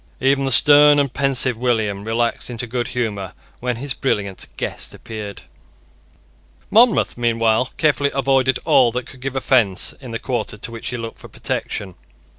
Even the stern and pensive William relaxed into good humour when his brilliant guest appeared. Monmouth meanwhile carefully avoided all that could give offence in the quarter to which he looked for protection.